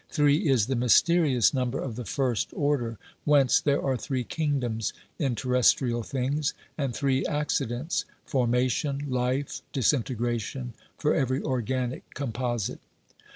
Three is the mysterious number of the first order, whence there are three kingdoms in terrestrial things, and three acci dents— formation, life, disintegration — for every organic composite.